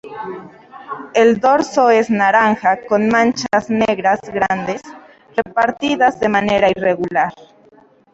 El dorso es naranja con manchas negras grandes repartidas de manera irregular.